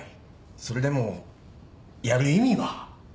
それでもやる意味は？